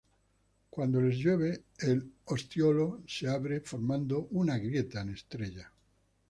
Cuando les llueve el ostiolo se abre formando una grieta en estrella.